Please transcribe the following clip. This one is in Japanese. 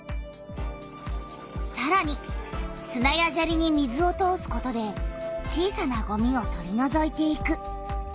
さらにすなやジャリに水を通すことで小さなゴミを取りのぞいていく。